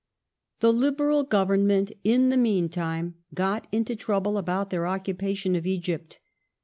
The Liberal Government in the meantime got into trouble about their occupation of Egypt.